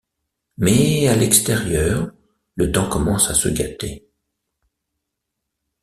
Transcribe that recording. Mais à l'extérieur, le temps commence à se gâter...